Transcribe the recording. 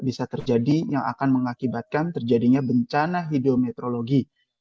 bisa terjadi yang akan mengakibatkan terjadinya bencana hidrometeorologi